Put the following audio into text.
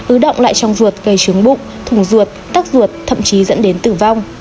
ứ động lại trong ruột gây trướng bụng thùng ruột tắc ruột thậm chí dẫn đến tử vong